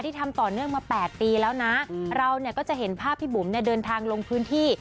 ที่ทำต่อเนื่องมาแปดปีแล้วนะเราก็จะเห็นภาพพี่บุ๋มเดินทางลงพื้นที่